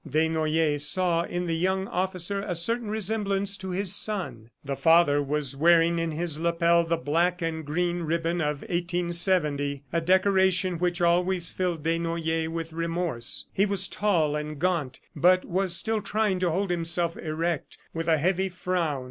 Desnoyers saw in the young officer a certain resemblance to his son. The father was wearing in his lapel the black and green ribbon of 1870 a decoration which always filled Desnoyers with remorse. He was tall and gaunt, but was still trying to hold himself erect, with a heavy frown.